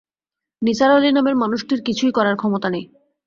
নিসার আলি নামের মানুষটির কিছুই করার ক্ষমতা নেই।